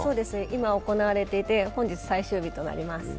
今、行われていて本日、最終日となります。